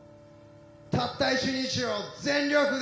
たった１日を全力で！